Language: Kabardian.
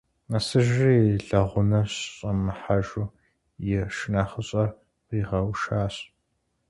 Нэсыжри, и лэгъунэ щӏэмыхьэжу, и шынэхъыщӏэр къигъэушащ.